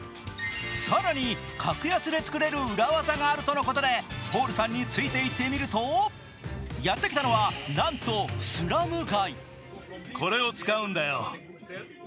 更に格安で作れる裏技があるということでポールさんについていってみるとやってきたのは、なんとスラム街。